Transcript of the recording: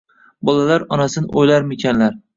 Bolalar onasin uylarmikinlar